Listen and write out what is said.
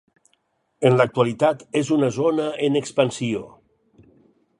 En l'actualitat és una zona en expansió.